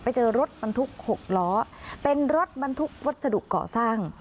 ไปเจอรถบรรทุก๖ล้อเป็นรถบรรทุกวัสดุเกาะสร้าง